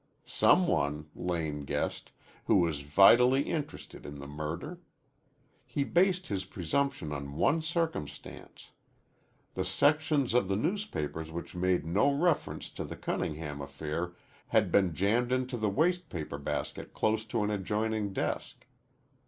Some one, Lane guessed, who was vitally interested in the murder. He based his presumption on one circumstance. The sections of the newspapers which made no reference to the Cunningham affair had been jammed into the waste paper basket close to an adjoining desk.